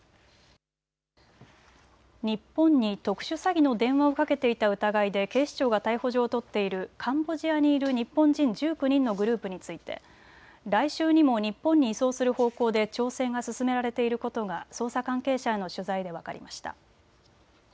日本に特殊詐欺の電話をかけていた疑いで警視庁が逮捕状を取っているカンボジアにいる日本人１９人のグループについて来週にも日本に移送する方向で調整が進められていることが捜査関係者への取材で分かりました。